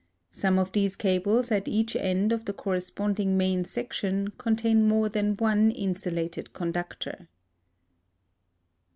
Some of these cables at each end of the corresponding main section contain more than one insulated conductor.